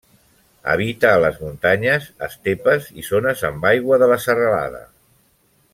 Habita a les muntanyes, estepes i zones amb aigua de la serralada.